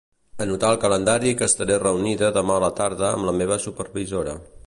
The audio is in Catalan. Anotar al calendari que estaré reunida demà a la tarda amb la meva supervisora.